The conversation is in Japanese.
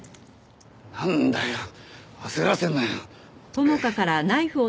なんだよ焦らせるなよ。